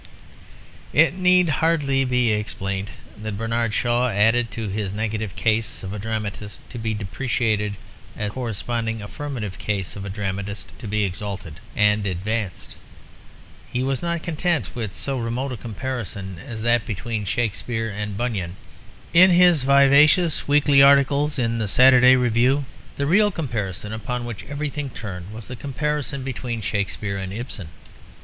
It need hardly be explained that Bernard Shaw added to his negative case of a dramatist to be depreciated a corresponding affirmative case of a dramatist to be exalted and advanced. He was not content with so remote a comparison as that between Shakespeare and Bunyan. In his vivacious weekly articles in the Saturday Review, the real comparison upon which everything turned was the comparison between Shakespeare and Ibsen.